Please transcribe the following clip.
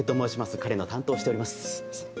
彼の担当をしております。